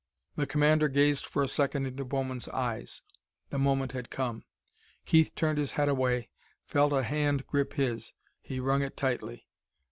The commander gazed for a second into Bowman's eyes. The moment had come. Keith turned his head away, felt a hand grip his. He wrung it tightly....